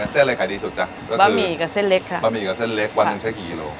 เส้นอะไรขายดีสุดจ้ะหมี่กับเส้นเล็กค่ะบะหมี่กับเส้นเล็กวันหนึ่งใช้กี่กิโล